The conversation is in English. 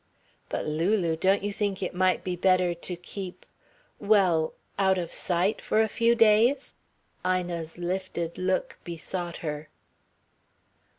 "But, Lulu, don't you think it might be better to keep, well out of sight for a few days?" Ina's lifted look besought her.